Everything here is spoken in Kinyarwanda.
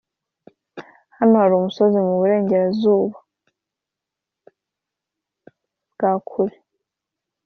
hano hari umusozi muburengerazuba bwa kure